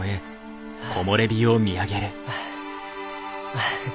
フフッ。